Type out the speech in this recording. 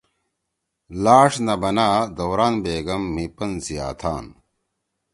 لاݜ نہ بنا دوران بیگم مھی پن سی آتھان